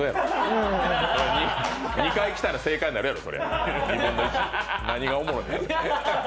２回きたら正解になるやろ。